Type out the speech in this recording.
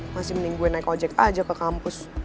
masih mending gue naik ojek aja ke kampus